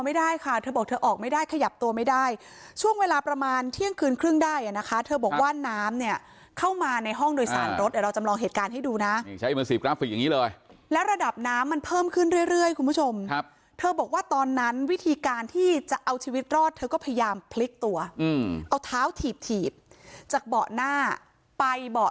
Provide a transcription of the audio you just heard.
ไม่ได้ค่ะเธอบอกเธอออกไม่ได้ขยับตัวไม่ได้ช่วงเวลาประมาณเที่ยงคืนครึ่งได้อ่ะนะคะเธอบอกว่าน้ำเนี่ยเข้ามาในห้องโดยสารรถเดี๋ยวเราจำลองเหตุการณ์ให้ดูนะนี่ใช้มือสีกราฟิกอย่างนี้เลยแล้วระดับน้ำมันเพิ่มขึ้นเรื่อยเรื่อยคุณผู้ชมครับเธอบอกว่าตอนนั้นวิธีการที่จะเอาชีวิตรอดเธอก็พยายามพลิกตัวเอาเท้าถีบถีบจากเบาะหน้าไปเบาะ